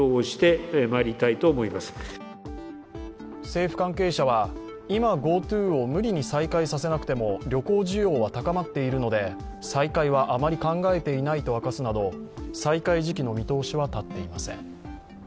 政府関係者は、今ＧｏＴｏを無理に再開させなくても旅行需要は高まっているので再開はあまり考えていないと明かすなど再開時期の見通しは立っていません。